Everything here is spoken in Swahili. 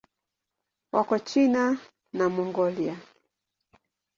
Wako China na Mongolia.